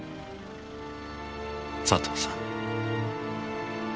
佐藤さん。